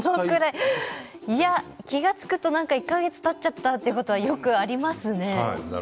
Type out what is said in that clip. いや、気が付くと１か月たっちゃったというのはよくありますね。